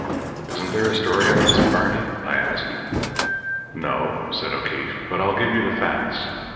"Isn't there a story in this, Barney?" I asked. "No," said O'Keefe; "but I'll give you the facts.